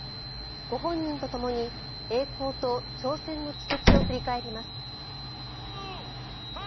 ご本人とともに栄光と挑戦の軌跡を振り返ります。